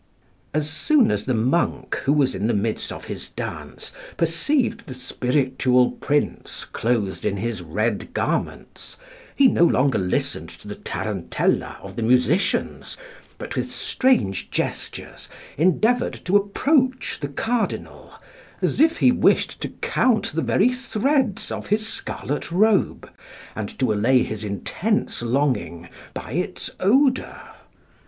As soon as the monk, who was in the midst of his dance, perceived the spiritual prince clothed in his red garments, he no longer listened to the tarantella of the musicians, but with strange gestures endeavoured to approach the Cardinal, as if he wished to count the very threads of his scarlet robe, and to allay his intense longing by its odour.